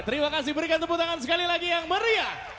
terima kasih berikan tepuk tangan sekali lagi yang meriah